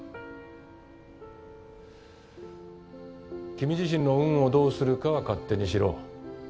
君自身の運をどうするかは勝手にしろ。